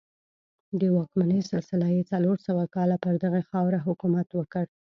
د واکمنۍ سلسله یې څلور سوه کاله پر دغې خاوره حکومت وکړ